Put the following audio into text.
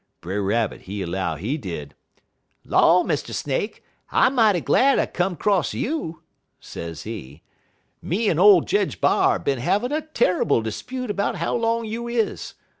Brer Rabbit, he 'low, he did: "'Law, Mr. Snake, I mighty glad I come 'cross you,' sezee. 'Me en ole Jedge B'ar bin havin' a turrible 'spute 'bout how long you is.